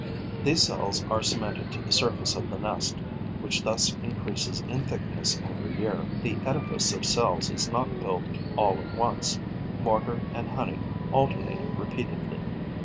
These cells are cemented to the surface of the nest, which thus increases in thickness every year. The edifice of cells is not built all at once: mortar and honey alternate repeatedly.